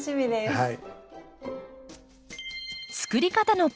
はい。